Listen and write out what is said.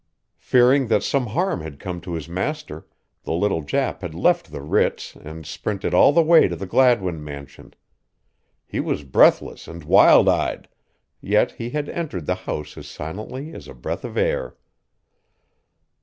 Fearing that some harm had come to his master the little Jap had left the Ritz and sprinted all the way to the Gladwin mansion. He was breathless and wild eyed, yet he had entered the house as silently as a breath of air.